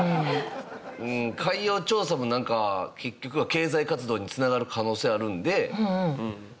うん海洋調査もなんか結局は経済活動に繋がる可能性があるので。